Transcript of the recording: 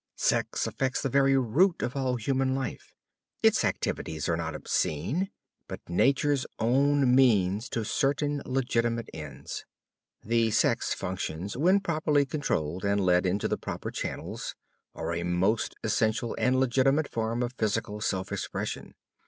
Sex affects the very root of all human life. Its activities are not obscene, but Nature's own means to certain legitimate ends. The sex functions, when properly controlled and led into the proper channels, are a most essential and legitimate form of physical self expression.